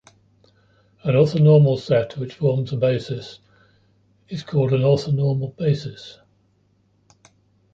An orthonormal set which forms a basis is called an orthonormal basis.